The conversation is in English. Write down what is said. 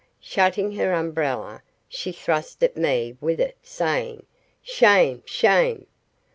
Shutting her umbrella, she thrust at me with it, saying, "shame! shame!